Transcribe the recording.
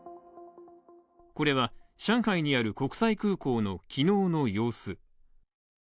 これは、上海にある国際空港の昨日の様子。